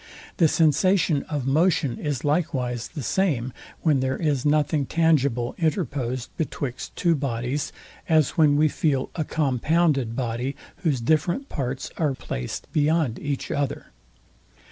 The sensation of motion is likewise the same, when there is nothing tangible interposed betwixt two bodies, as when we feel a compounded body, whose different parts are placed beyond each other.